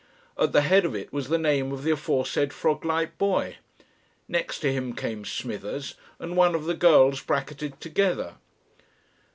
At the head of it was the name of the aforesaid frog like boy; next to him came Smithers and one of the girls bracketed together.